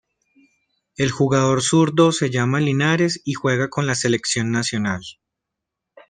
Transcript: El jugador zurdo se llama Linares y juega con la selección nacional.